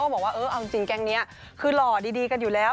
บอกว่าเออเอาจริงแก๊งนี้คือหล่อดีกันอยู่แล้ว